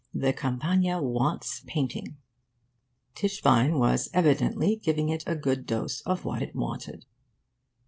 The Campagna WANTS painting.' Tischbein was evidently giving it a good dose of what it wanted.